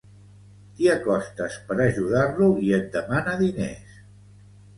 T'hi acostes per ajudar-lo i et demana diners